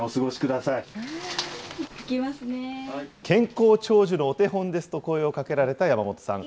健康長寿のお手本ですと、声をかけられた山本さん。